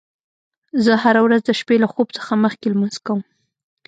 زه هره ورځ د شپې له خوب څخه مخکې لمونځ کوم